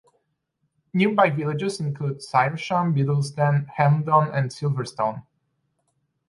Nearby villages include Syresham, Biddlesden, Helmdon and Silverstone.